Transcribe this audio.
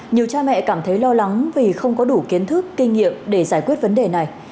nhiều cha mẹ cảm thấy lo lắng vì không có đủ kiến thức kinh nghiệm để giải quyết vấn đề này